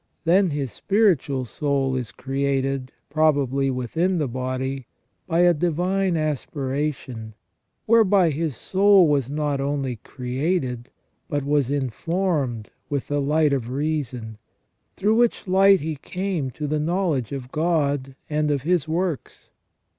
Then his spiritual soul is created, probably within the body, by a divine aspiration, whereby his soul was not only created but was informed with the light of reason, through which light he came to the knowledge of God, and of His works.